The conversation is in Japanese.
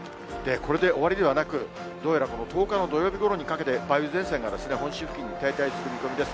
これで終わりではなく、どうやらこの１０日の土曜日ごろにかけて、梅雨前線が本州付近に停滞する見込みです。